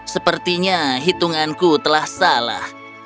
sepertinya hitunganku telah salah